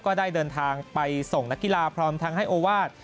ก็ได้เดินทางไปส่งนักกีฬาพร้อมทั้งให้โอวาส